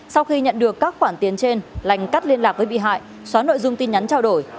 sau khi nhận được các khoản tiền trên lành cắt liên lạc với bị hại xóa nội dung tin nhắn trao đổi